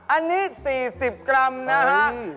อันนี้๔๐กรัมนะครับ